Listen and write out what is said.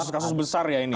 kasus kasus besar ya ini ya